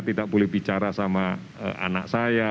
tidak boleh bicara sama anak saya